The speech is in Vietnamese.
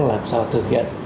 làm sao thực hiện